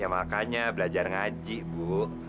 makanya belajar ngaji bu